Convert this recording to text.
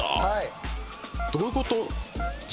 どういうこと？